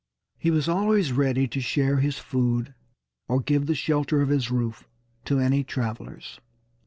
He was always ready to share his food or give the shelter of his roof to any travelers.